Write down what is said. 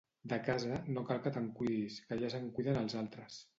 De casa, no cal que te'n cuidis, que ja se'n cuiden els altres.